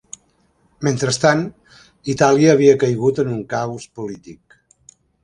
Mentrestant, Itàlia havia caigut en un caos polític.